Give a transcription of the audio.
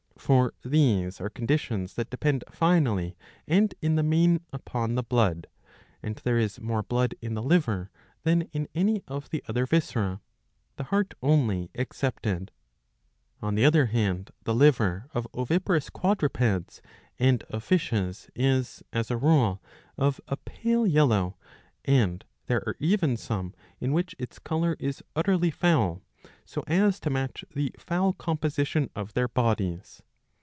For these are conditions that depend finally and in the main upon the blood, and there is more blood in the liver than in any of the other viscera, the heart only excepted.' On the other hand the liver 673b. 86 iii. 12 — iii. 14. , of oviparous quadrupeds and of fishes is, 'as a rule, of a pale yellow,* and there are even some in which its colour is utterly foul, ^ so as to match the foul composition of their bodies.